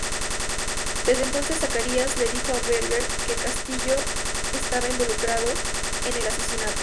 Desde entonces Zacarías le dijo a Berger que Castillo estaba involucrado en el asesinato.